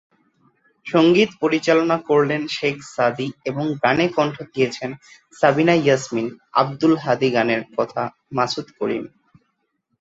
সঙ্গীত পরিচালনা করেন শেখ সাদী খান এবং গানে কন্ঠ দিয়েছেন সাবিনা ইয়াসমিন, আব্দুল হাদী গানের কথা মাসুদ করিম।